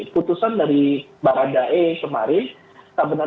putusan dari baradae kemarin